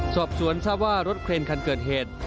สอบสวนทราบว่ารถเครนคันเกิดเหตุ